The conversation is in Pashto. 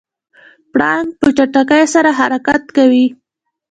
پړانګ په چټکۍ سره حرکت کوي.